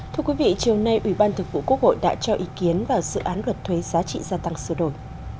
thưa quý vị chiều nay ủy ban thực vụ quốc hội đã cho ý kiến vào dự án luật thuế giá trị gia tăng sửa đổi